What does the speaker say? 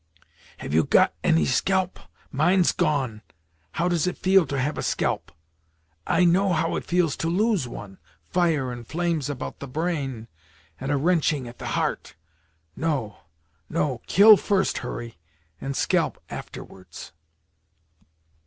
"Have you got any scalp? Mine's gone How does it feel to have a scalp? I know how it feels to lose one fire and flames about the brain and a wrenching at the heart no no kill first, Hurry, and scalp afterwards."